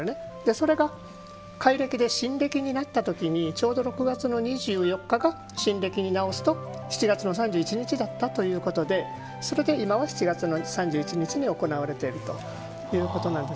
それが改歴で新暦になったときにちょうど６月の２４日が新暦に直すと７月の３１日だったということでそれで今は７月の３１日に行われているということなんです。